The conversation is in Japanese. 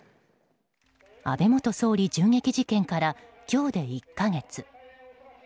安倍元総理銃撃事件から今日で１か月。